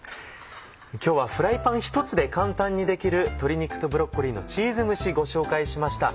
今日はフライパンひとつで簡単にできる「鶏肉とブロッコリーのチーズ蒸し」ご紹介しました。